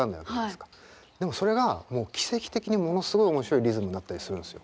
でもそれがもう奇跡的にものすごい面白いリズムになったりするんですよ。